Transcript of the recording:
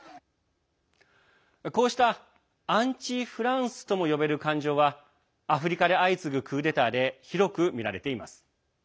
こうしたアンチ・フランスとも呼べる感情はアフリカで相次ぐ、クーデターで広く見られています。